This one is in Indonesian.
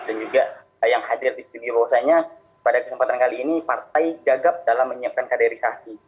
dan juga yang hadir di studio bahwasannya pada kesempatan kali ini partai gagap dalam menyiapkan kaderisasi